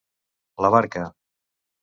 La barca.